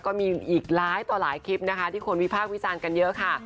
ก็มีอีกหลายต่อหลายคลิปนะคะที่คนวิพากษ์วิจารณ์กันเยอะค่ะ